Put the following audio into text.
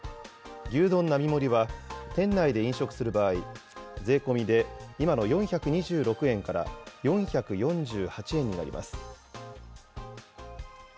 牛丼並盛は店内で飲食する場合、税込みで今の４２６円から４４８円になります。